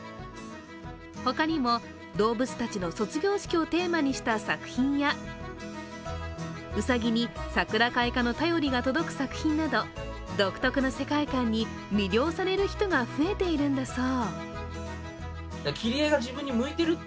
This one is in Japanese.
他にも動物たちの卒業式をテーマにした作品やうさぎに桜開花の便りが届く作品など独特の世界観に、魅了される人が増えているんだそう。